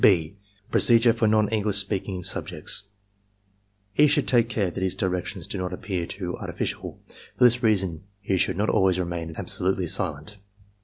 (b) PROCEDURE FOR NON ENGLISH SPEAKING SUBJECTS E. should take care that his directions do not appear too artificial. For this reason he should not always remain ab solutely silent.